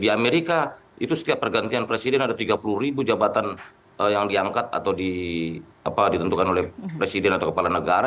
di amerika itu setiap pergantian presiden ada tiga puluh ribu jabatan yang diangkat atau ditentukan oleh presiden atau kepala negara